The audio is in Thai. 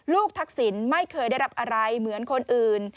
ทักษิณไม่เคยได้รับอะไรเหมือนคนอื่น